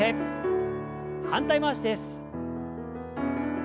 反対回しです。